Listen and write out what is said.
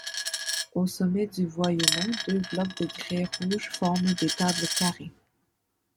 Au sommet du Voyemont, deux blocs de grès rouges forment des tables carrées.